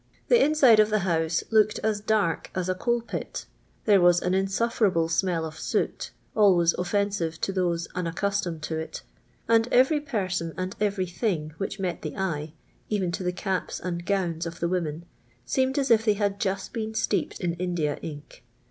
The inside of the house looked as dark as a coal pit ; then' was an insullerable smell of sout, always olVensive to those unaccustomed to it; jiii'l every person and every thing which met t!n' eye, even to the CiipH and powns of tlie Wi» iJieii. seemed as if they hail just been 8teep<'d in Indian ink.